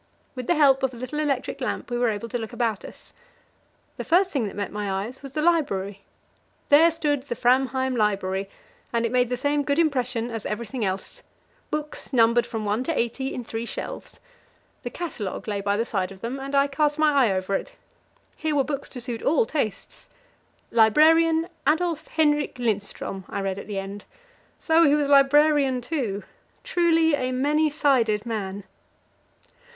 With the help of a little electric lamp, we were able to look about us. The first thing that met my eyes was the library. There stood the Framheim library, and it made the same good impression as everything else books numbered from 1 to 80 in three shelves. The catalogue lay by the side of them, and I cast my eye over it. Here were books to suit all tastes; "Librarian, Adolf Henrik Lindström," I read at the end. So he was librarian, too truly a many sided man.